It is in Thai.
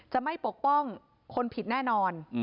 จะไม่ปกป้องคนผิดแน่นอน